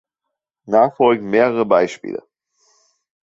Nachfolgend mehrere Beispiele.